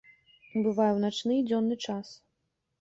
Бывае ў начны і дзённы час.